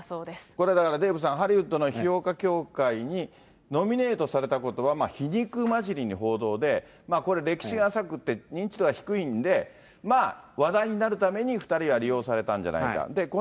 これ、だからデーブさん、ハリウッドの批評家協会にノミネートされたことは皮肉交じりの報道で、これ、歴史が浅くて認知度は低いんで、まあ、話題になるために２人は利用されたんじゃないか。